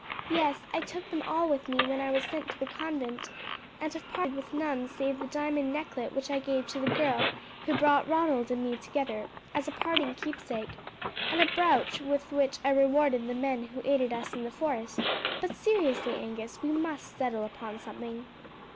"Yes; I took them all with me when I was sent to the convent, and have parted with none save the diamond necklet which I gave to the girl who brought Ronald and me together, as a parting keepsake, and a brooch with which I rewarded the men who aided us in the forest; but seriously, Angus, we must settle upon something."